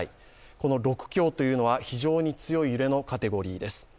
この６強というのは非常に強い揺れのカテゴリーです。